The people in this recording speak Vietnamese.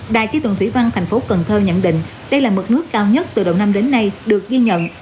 đài khí tượng thủy văn thành phố cần thơ nhận định đây là mực nước cao nhất từ đầu năm đến nay được ghi nhận